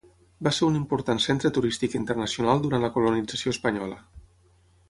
Va ser un important centre turístic internacional durant la colonització espanyola.